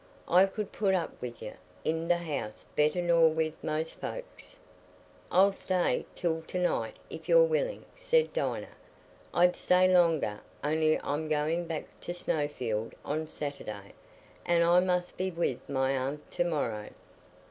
I could put up wi' ye i' th' house better nor wi' most folks." "I'll stay till to night if you're willing," said Dinah. "I'd stay longer, only I'm going back to Snowfield on Saturday, and I must be with my aunt to morrow."